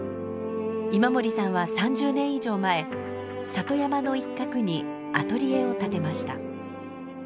今森さんは３０年以上前里山の一角にアトリエを建てました。